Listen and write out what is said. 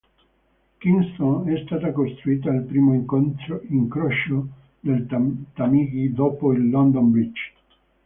Kingston è stata costruita al primo incrocio del Tamigi dopo il London Bridge.